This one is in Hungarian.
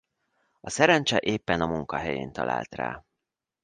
A szerencse éppen a munkahelyén talált rá.